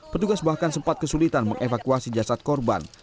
petugas bahkan sempat kesulitan mengevakuasi jasad korban